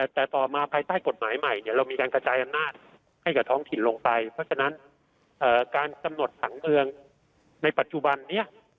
แต่ต่อมาภายใต้กฎหมายใหม่เรามีการกระจายอำนาจให้กับท้องถิ่นลงไปเพราะฉะนั้นการกำหนดผังเมืองในปัจจุบันนี้